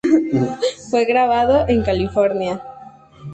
Fue grabado en California.